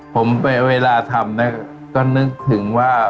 ผมเวลาทำก็นึกถึงว่า